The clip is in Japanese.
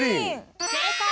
正解！